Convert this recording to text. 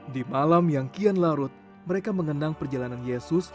di malam yang kian larut mereka mengenang perjalanan yesus